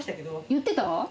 言ってた？